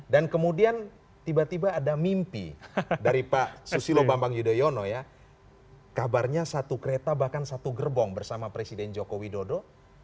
dan kemudian tiba tiba ada mimpi dari pak susilo bambang yudhoyono ya kabarnya satu kereta bahkan satu gerbong bersama presiden joko widodo